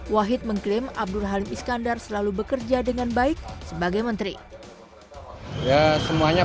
wahid mengklaim abdul halim iskandar selalu bekerja dengan baik sebagai menteri ya semuanya